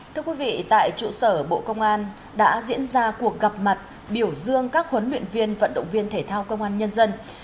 thưa quý vị tại trụ sở bộ công an đã diễn ra cuộc gặp mặt biểu dương các huấn luyện viên vận động viên thể thao công an nhân dân